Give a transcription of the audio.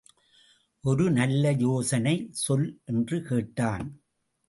ஒருநல்ல யோசனை சொல் என்று கேட்டான்.